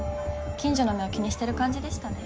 近所の目を気にしてる感じでしたね。